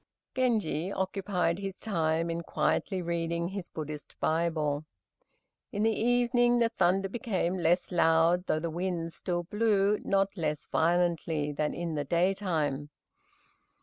Genji occupied his time in quietly reading his Buddhist Bible. In the evening, the thunder became less loud, though the wind still blew not less violently than in the daytime.